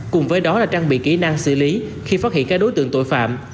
cùng với đó là trang bị kỹ năng xử lý khi phát hiện các đối tượng tội phạm